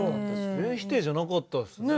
全否定じゃなかったですね。